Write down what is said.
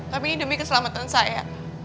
tapi demi keselamatan saya